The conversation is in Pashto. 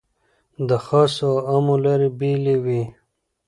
د خاصو او عامو لارې بېلې وې.